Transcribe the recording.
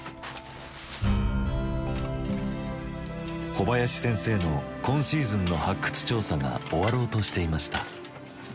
小林先生の今シーズンの発掘調査が終わろうとしていました。